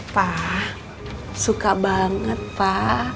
pak suka banget pak